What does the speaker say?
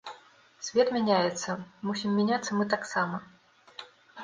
Свет мяняецца, мусім мяняцца мы таксама.